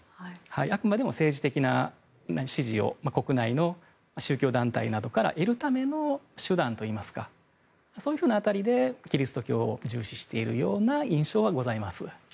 あくまでも政治的な支持を国内の宗教団体などから得るための手段といいますかそういう辺りでキリスト教を重視しているような印象はございます。